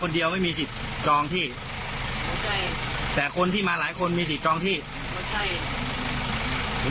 เดี๋ยวไปดูคลิปกันก่อนคุณผู้ชมค่ะ